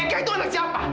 eka itu anak siapa